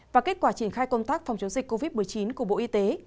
và kết quả triển khai công tác phòng chống dịch covid một mươi chín của bộ y tế